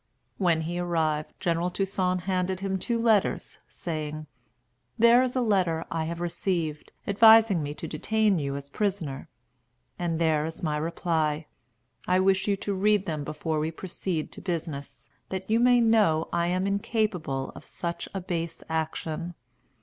When he arrived, General Toussaint handed him two letters, saying, "There is a letter I have received, advising me to detain you as prisoner; and there is my reply. I wish you to read them before we proceed to business, that you may know I am incapable of such a base action."